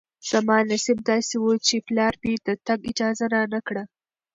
زما نصیب داسې و چې پلار مې د تګ اجازه رانه کړه.